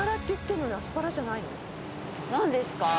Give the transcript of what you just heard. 何ですか？